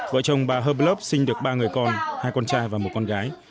vợ chồng bà herblub sinh được ba người con hai con trai và một con gái